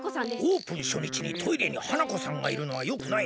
オープンしょにちにトイレに花子さんがいるのはよくないな。